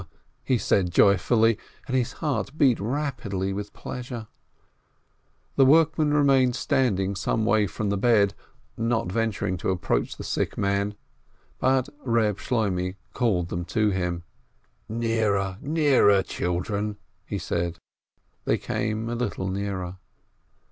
he said joyfully, and his heart beat rapidly with pleasure. The workmen remained standing some way from the bed, not venturing to approach the sick man, but Reb Shloimeh called them to him. "Nearer, nearer, children !" he said. They came a little nearer.